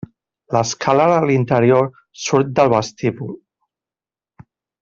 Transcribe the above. L'escala de l'interior surt del vestíbul.